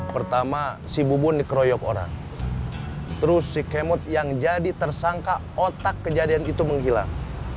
pertama sibuk nekroyok orang terus si kemud yang jadi tersangka otak kejadian itu menghilang